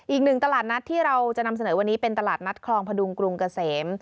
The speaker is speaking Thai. อีกหนึ่งตลาดนัดที่เราจะนำเสนอวันนี้เป็นตลาดนัดคลองพดุงกรุงเกษม